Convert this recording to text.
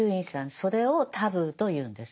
それをタブーと言うんです。